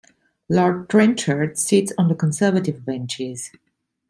Lord Trenchard sits on the Conservative benches.